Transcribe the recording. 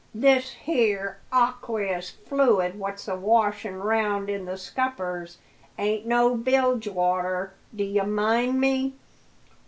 "This 'ere aqueous fluid what's a washin' round in the scuppers ain't no bilge water, d'ye mind me!